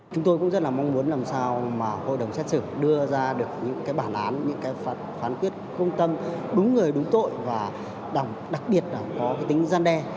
chúng tôi cũng rất là mong muốn làm sao mà hội đồng xét xử đưa ra được những cái bản án những cái phán quyết công tâm đúng người đúng tội và đặc biệt là có cái tính gian đe